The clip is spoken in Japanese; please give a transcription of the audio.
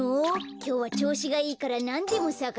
きょうはちょうしがいいからなんでもさかすよ。